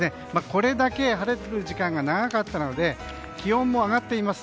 これだけ晴れる時間が長かったので気温も上がっています。